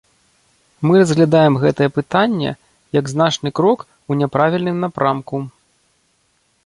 Мы разглядаем гэтае пытанне як значны крок у няправільным напрамку.